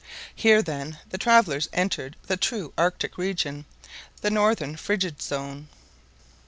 Here, then, the travellers entered the true Arctic region, the northern Frigid Zone.